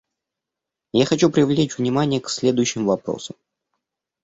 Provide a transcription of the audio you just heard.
Я хочу привлечь внимание к следующим вопросам.